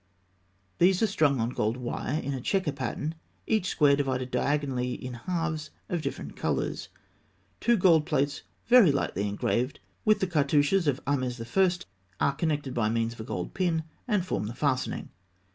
These are strung on gold wire in a chequer pattern, each square divided diagonally in halves of different colours. Two gold plates, very lightly engraved with the cartouches of Ahmes I., are connected by means of a gold pin, and form the fastening.